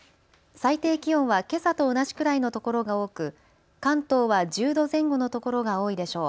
最低気温はけさと同じくらいのところが多く関東は１０度前後のところが多いでしょう。